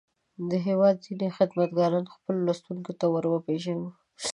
د هېواد ځينې خدمتګاران خپلو لوستونکو ته ور وپېژني.